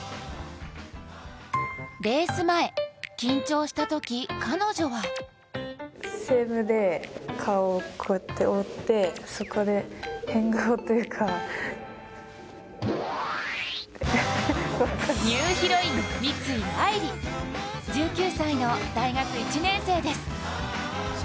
レース前、緊張したとき、彼女はニューヒロイン、三井愛梨。１９歳の大学１年生です。